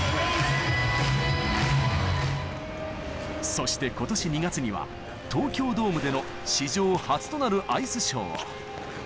そして今年２月には東京ドームでの史上初となるアイスショーを。